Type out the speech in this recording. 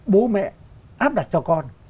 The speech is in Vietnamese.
bố mẹ áp đặt cho con